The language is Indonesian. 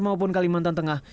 maupun kalimantan tengah